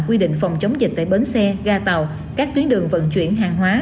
quy định phòng chống dịch tại bến xe ga tàu các tuyến đường vận chuyển hàng hóa